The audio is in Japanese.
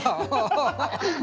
ハハハハ！